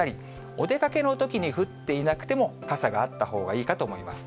お出かけのときに降っていなくても、傘があったほうがいいかと思います。